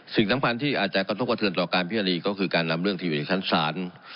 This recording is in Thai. สิ่งทั้งพันที่อาจจะก็ต้องกระเทือนต่อการพิธีนี้ก็คือการนำเรื่องที่อยู่ในชั้นสาร